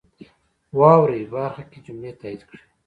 واورئ برخه کې جملې تایید کړئ.